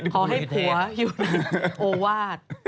ขอให้ผัวอยู่ในโอวาท